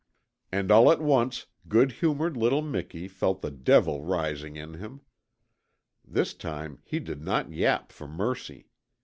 And all at once good humoured little Miki felt the devil rising in him. This time he did not yap for mercy.